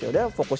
ya udah fokus